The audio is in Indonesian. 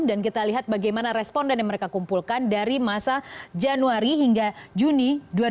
dan kita lihat bagaimana responden yang mereka kumpulkan dari masa januari hingga juni dua ribu enam belas